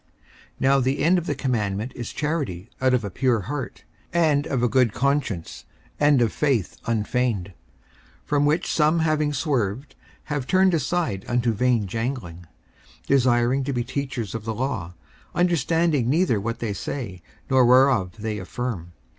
54:001:005 Now the end of the commandment is charity out of a pure heart, and of a good conscience, and of faith unfeigned: 54:001:006 From which some having swerved have turned aside unto vain jangling; 54:001:007 Desiring to be teachers of the law; understanding neither what they say, nor whereof they affirm.